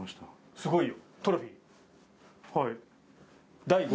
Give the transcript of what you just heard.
すごいよ！